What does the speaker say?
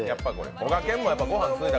こがけんもご飯ついだ